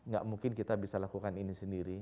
gak mungkin kita bisa lakukan ini sendiri